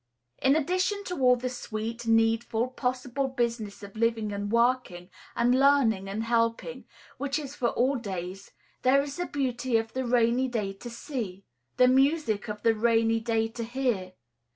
In addition to all the sweet, needful, possible business of living and working, and learning and helping, which is for all days, there is the beauty of the rainy day to see, the music of the rainy day to hear.